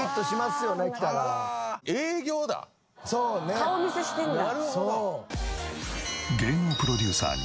顔見せしてるんだ。